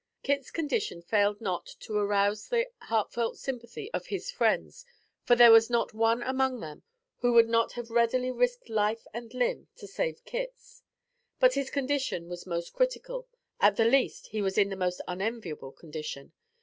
Kit's condition failed not to arouse the heartfelt sympathy of his friends, for there was not one among them who would not have readily risked life and limb to save Kit's. But his condition was most critical; at the least, he was in a most unenviable condition.